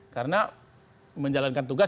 karena menjalankan tugas